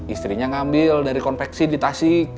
istrinya ngambil dari konveksi di tasik